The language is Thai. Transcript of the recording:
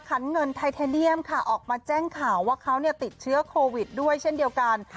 ขันเงินไทเทเนียมค่ะออกมาแจ้งข่าวว่าเขาติดเชื้อโควิดด้วยเช่นเดียวกัน